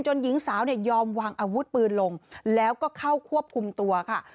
หญิงสาวเนี่ยยอมวางอาวุธปืนลงแล้วก็เข้าควบคุมตัวค่ะ